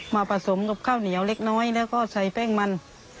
ผสมกับข้าวเหนียวเล็กน้อยแล้วก็ใส่แป้งมัน